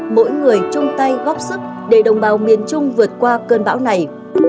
mỗi người chung tay góp sức để đồng bào miền trung vượt qua cơn bão này